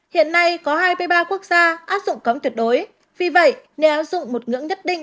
hiện nay có hai mươi ba quốc gia áp dụng cấm tuyệt đối vì vậy nếu áp dụng một ngưỡng nhất định